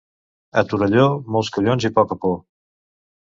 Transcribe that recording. A Torelló, molts collons i poca por.